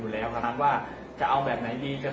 แล้วก็พอเล่ากับเขาก็คอยจับอย่างนี้ครับ